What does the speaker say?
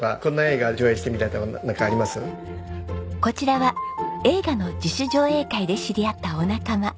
こちらは映画の自主上映会で知り合ったお仲間。